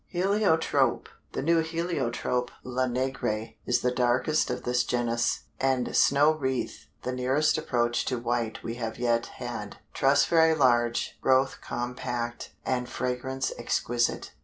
HELIOTROPE. The new Heliotrope Le Negre is the darkest of this genus, and Snow Wreath the nearest approach to white we have yet had; truss very large, growth compact, and fragrance exquisite.